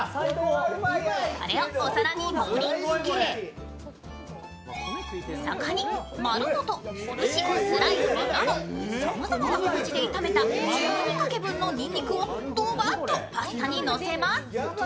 それをお皿に盛り付け、そこに丸ごとつぶしとスライスなどさまざまな形で炒めた１２片分のにんにくをパスタにかけます。